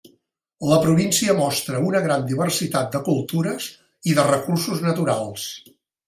La província mostra una gran diversitat de cultures i de recursos naturals.